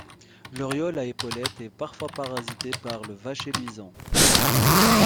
L’Oriole à épaulettes est parfois parasité par le Vacher luisant.